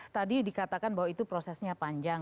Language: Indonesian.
tadi dikatakan bahwa itu prosesnya panjang